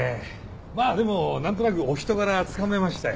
まあでも何となくお人柄はつかめましたよ。